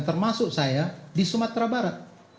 termasuk saya di sumatera barat